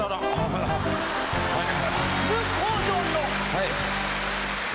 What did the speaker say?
はい。